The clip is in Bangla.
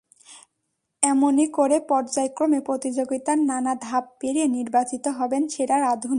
এমনি করে পর্যায়ক্রমে প্রতিযোগিতার নানা ধাপ পেরিয়ে নির্বাচিত হবেন সেরা রাঁধুনি।